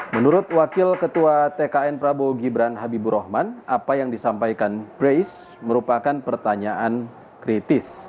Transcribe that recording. menurut wakil ketua tkn prabowo gibran habibur rahman apa yang disampaikan grace merupakan pertanyaan kritis